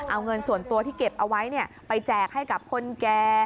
เอาเงินส่วนตัวที่เก็บเอาไว้ไปแจกให้กับคนแก่